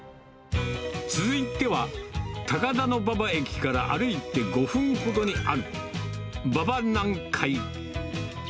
続いては、高田馬場駅から歩いて５分ほどにある、馬場南海。